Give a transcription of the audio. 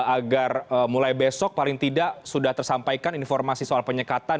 agar mulai besok paling tidak sudah tersampaikan informasi soal penyekatan